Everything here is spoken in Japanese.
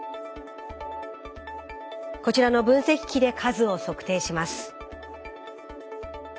こちらの分析機で数を測定します。